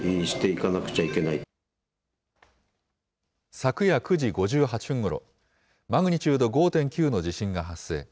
昨夜９時５８分ごろ、マグニチュード５．９の地震が発生。